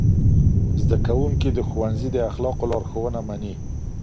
زدهکوونکي د ښوونځي د اخلاقو لارښوونه مني.